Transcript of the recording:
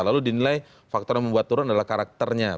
lalu dinilai faktor yang membuat turun adalah karakternya